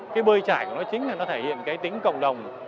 cái bơi trải của nó chính là nó thể hiện cái tính cộng đồng